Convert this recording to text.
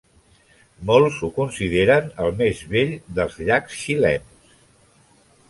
Molts ho consideren el més bell dels llacs xilens.